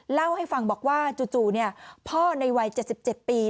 เล่าให้ฟังบอกว่าจู่พ่อในวัย๗๗ปี